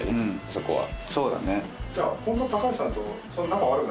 そこはそうだねああ